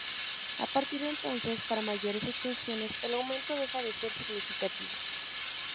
A partir de entonces, para mayores extensiones el aumento deja de ser significativo.